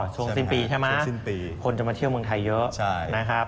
ช่วงสิ้นปีใช่ไหมคนจะมาเที่ยวเมืองไทยเยอะ